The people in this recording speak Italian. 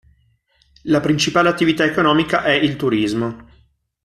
La principale attività economica è il turismo.